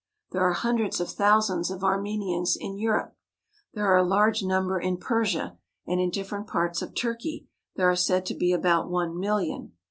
There are hun dreds of thousands of Armenians in Europe. There are a large number in Persia, and in different parts of Turkey there are said to be about one million.